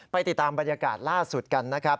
ติดตามบรรยากาศล่าสุดกันนะครับ